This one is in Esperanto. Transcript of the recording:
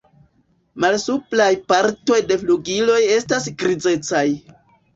Malsupraj partoj de flugiloj estas grizecaj.